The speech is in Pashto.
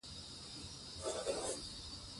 مور د ماشومانو سره مینه او احترام چلند کوي.